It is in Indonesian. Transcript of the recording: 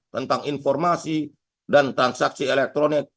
tentang informasi dan transaksi elektronik